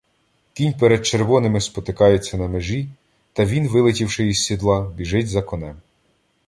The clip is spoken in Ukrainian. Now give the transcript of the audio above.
Кінь під червоним спотикається на межі, та він, вилетівши із сідла, біжить за конем.